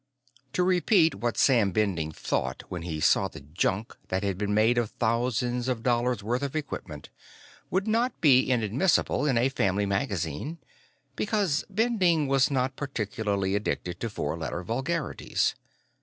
To repeat what Sam Bending thought when he saw the junk that had been made of thousands of dollars worth of equipment would not be inadmissible in a family magazine, because Bending was not particularly addicted to four letter vulgarities.